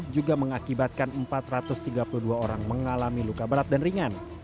juga mengakibatkan empat ratus tiga puluh dua orang mengalami luka berat dan ringan